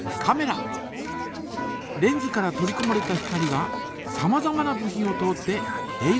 レンズから取りこまれた光がさまざまな部品を通ってえい